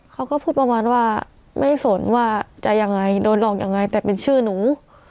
เขาก็พูดประมาณว่าไม่ฝนว่าจะยังไงโดนหลอกยังไงแต่เป็นชื่อหนู